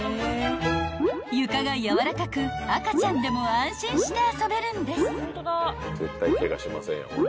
［床がやわらかく赤ちゃんでも安心して遊べるんです］